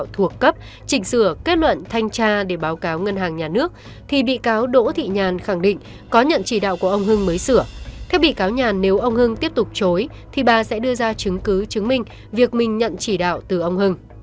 theo bị cáo nhàn nếu ông hưng tiếp tục chối thì bà sẽ đưa ra chứng cứ chứng minh việc mình nhận chỉ đạo từ ông hưng